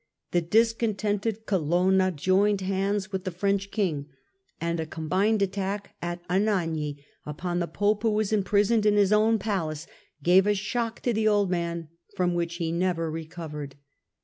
The discontented Colonna joined hands with the French King, and a combined attack at Anagni upon the Pope, who was imprisoned in his own palace, gave a shock to the old man from which he never recovered.